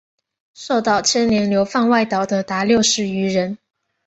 受到牵连流放外岛的达六十余人。